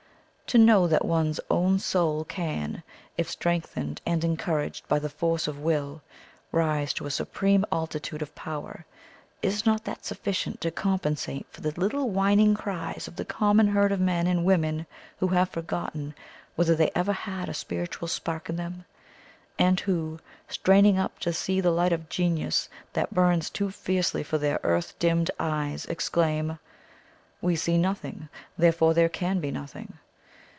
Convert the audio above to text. To know that one's own soul can, if strengthened and encouraged by the force of will, rise to a supreme altitude of power is not that sufficient to compensate for the little whining cries of the common herd of men and women who have forgotten whether they ever had a spiritual spark in them, and who, straining up to see the light of genius that burns too fiercely for their earth dimmed eyes, exclaim: 'WE see nothing, therefore there CAN be nothing.'